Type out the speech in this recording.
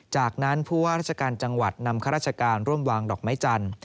จากนั้นผู้ว่าราชการจังหวัดนำข้าราชการร่วมวางดอกไม้จันทร์